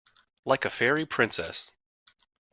Like a fairy princess.